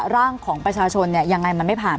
ร่างของประชาชนเนี่ยยังไงมันไม่ผ่าน